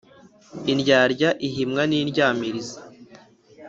Indyarya ihimwa n’indyamirizi.